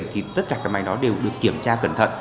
thì tất cả cái máy đó đều được kiểm tra cẩn thận